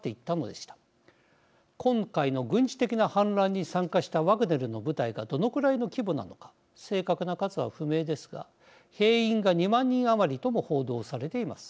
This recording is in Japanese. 今回の軍事的な反乱に参加したワグネルの部隊がどのくらいの規模なのか正確な数は不明ですが兵員が２万人余りとも報道されています。